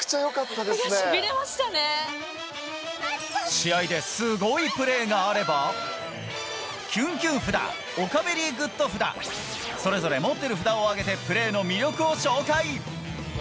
試合ですごいプレーがあればキュンキュン札オカベリーグッド札それぞれ持っている札を挙げてプレーの魅力を紹介！